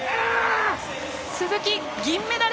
鈴木、銀メダル！